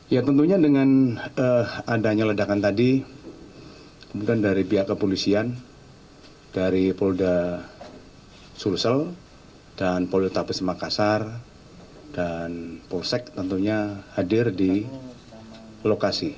ya tentunya dengan adanya ledakan tadi kemudian dari pihak kepolisian dari polda sulsel dan politabes makassar dan polsek tentunya hadir di lokasi